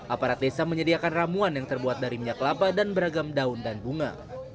aparat desa menyediakan ramuan yang terbuat dari minyak lapa dan beragam daun dan bunga